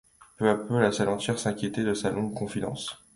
Peu à peu, la salle entière s'inquiétait de ces longues confidences.